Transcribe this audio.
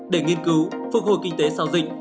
để nghiên cứu phục hồi kinh tế sau dịch